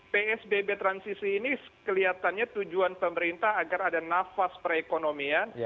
psbb transisi ini kelihatannya tujuan pemerintah agar ada nafas perekonomian